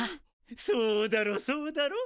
そうだろうそうだろう？